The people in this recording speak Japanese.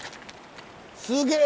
すげえ！